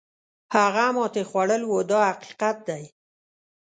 هغه ماتې خوړل وو دا حقیقت دی.